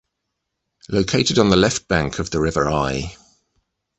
Located on the left bank of the river Ai.